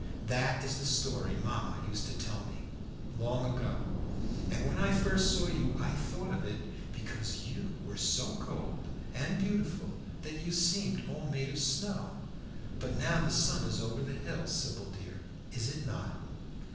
"That is the story mamma used to tell me, long ago, and when I first saw you I thought of it, because you were so cold and beautiful that you seemed all made of snow. But now the sun is over the hill, Sybil dear, is it not?"